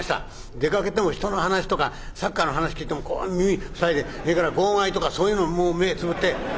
出かけても他人の話とかサッカーの話聞いても耳ふさいでそれから号外とかそういうのも目つぶって。